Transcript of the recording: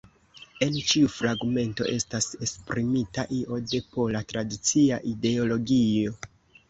En ĉiu fragmento estas esprimita io de pola tradicia ideologio.